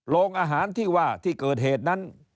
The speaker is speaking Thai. โรงอาหารที่ว่าที่เกิดเหตุนั้น